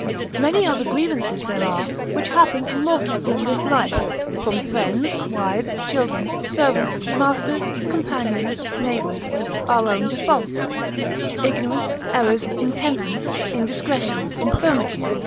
Many other grievances there are, which happen to mortals in this life, from friends, wives, children, servants, masters, companions, neighbours, our own defaults, ignorance, errors, intemperance, indiscretion, infirmities, &c.